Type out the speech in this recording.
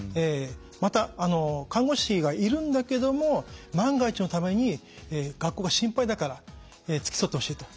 また看護師がいるんだけども万が一のために学校が心配だから付き添ってほしいと。